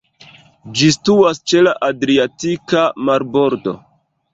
Ĝi situas ĉe la Adriatika marbordo.